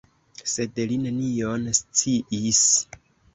Sed li nenion sciis.